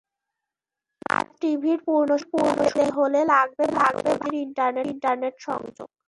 Smart টিভির পূর্ণ সুবিধা পেতে হলে লাগবে ভালো গতির ইন্টারনেট সংযোগ।